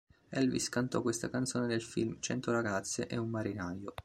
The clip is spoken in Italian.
Elvis cantò questa canzone nel film "Cento ragazze e un marinaio".